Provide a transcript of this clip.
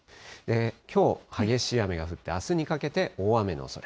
きょう激しい雨が降って、あすにかけて大雨のおそれ。